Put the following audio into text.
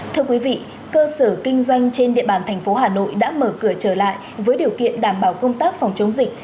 thưa quý vị cơ sở kinh doanh trên địa bàn thành phố hà nội đã mở cửa trở lại với điều kiện đảm bảo công tác phòng chống dịch